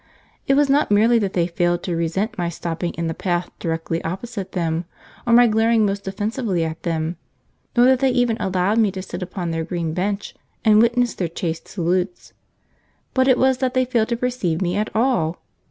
It was not merely that they failed to resent my stopping in the path directly opposite them, or my glaring most offensively at them, nor that they even allowed me to sit upon their green bench and witness their chaste salutes, but it was that they did fail to perceive me at all!